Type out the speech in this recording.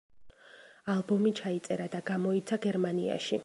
ალბომი ჩაიწერა და გამოიცა გერმანიაში.